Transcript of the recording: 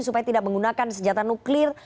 supaya tidak menggunakan senjata nuklir